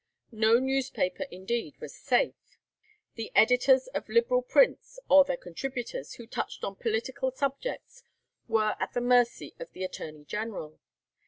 No newspaper indeed was safe; the editors of Liberal prints, or their contributors, who touched on political subjects were at the mercy of the Attorney General.